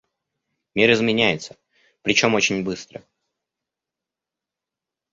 Мир изменяется, причем очень быстро.